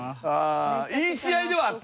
いい試合ではあった。